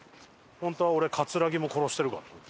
本当は俺葛城も殺してるからね。